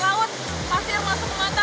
tapi seru seru banget